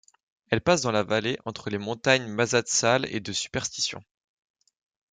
Elle passe dans la vallée entre les montagnes Mazatzal et de Superstition.